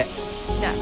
じゃあ。